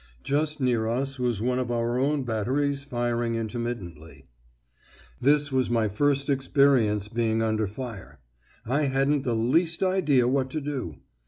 Just near us was one of our own batteries firing intermittently." This was my first experience of being under fire. I hadn't the least idea what to do.